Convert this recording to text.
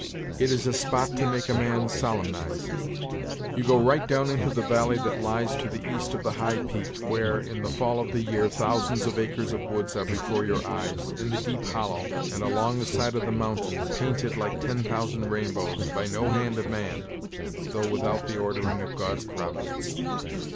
It is a spot to make a man solemnize. You go right down into the valley that lies to the east of the High Peak, where, in the fall of the year, thousands of acres of woods are before your eyes, in the deep hollow, and along the side of the mountain, painted like ten thousand rainbows, by no hand of man, though without the ordering of God's providence."